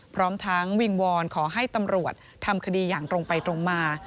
พร้อมทั้งวิงวอนขอให้ตำรวจทำคดีอย่างตรงไปตรงมา